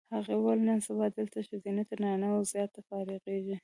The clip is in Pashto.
هغې وویل نن سبا دلته ښځینه تر نارینه و زیات فارغېږي.